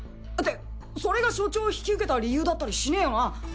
ってそれが所長を引き受けた理由だったりしねえよな？